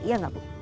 iya gak bu